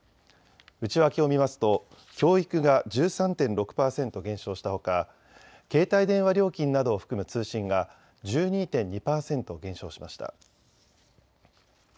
内訳を見ますと教育が１３．６％減少したほか、携帯電話料金などを含む通信が１２．２％減少しました。